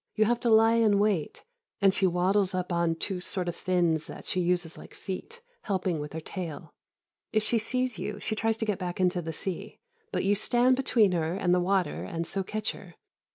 You have to lie in wait and she waddles up on two sort of fins that she uses like feet, helping with her tail. If she sees you, she tries to get back into the sea, but you stand between her and the water and so catch her.